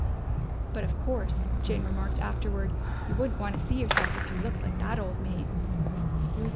("But, of course," Jane remarked afterward, "you wouldn't want to see yourself if you looked like that old maid!")